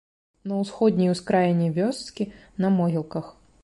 На ўсходняй ускраіне вёскі, на могілках.